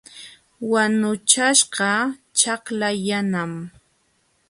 Wanuchaśhqa ćhakla yanam.